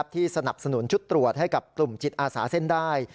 สนับสนุนชุดตรวจให้กับกลุ่มจิตอาสาเส้นได้